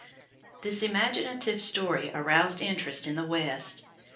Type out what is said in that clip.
This imaginative story aroused interest in the West.